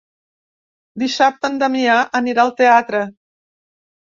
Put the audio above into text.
Dissabte en Damià anirà al teatre.